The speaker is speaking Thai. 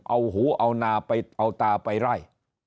เอาหูเอานาไปเอาตาไปไล่